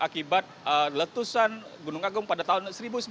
akibat letusan gunung agung pada tahun seribu sembilan ratus sembilan puluh